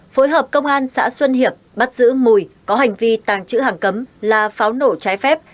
phối hợp công an xã xuân hiệp bắt giữ mùi có hành vi tàng trữ hàng cấm là pháo nổ trái phép